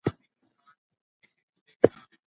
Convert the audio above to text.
د لاهور د تړون مادې ډیرې سختې وې.